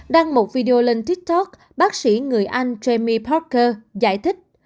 đăng một video lên tiktok bác sĩ người anh jamie parker giải thích